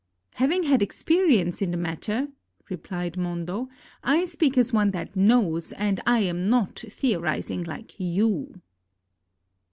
"Having had experience in the matter," replied Mondo, "I speak as one that knows, and am not theo rizing like you."